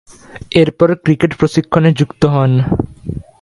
এরপর ক্রিকেট প্রশিক্ষণে যুক্ত হন।